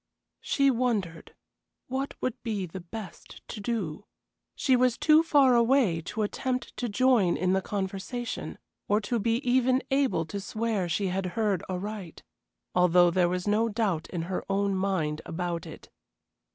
She wondered, what would be the best to do. She was too far away to attempt to join in the conversation, or to be even able to swear she had heard aright, although there was no doubt in her own mind about it.